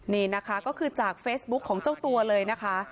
นี่นะคะก็คือจากเฟซบุ๊คของเจ้าตัวเลยนะคะ